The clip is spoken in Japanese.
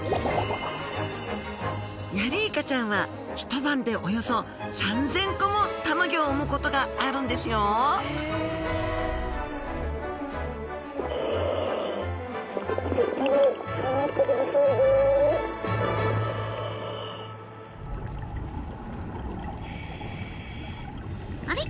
ヤリイカちゃんは一晩でおよそ３，０００個も卵を産むことがあるんですよあれ？